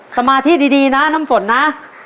สมาธิดีนะน้ำฝนนะ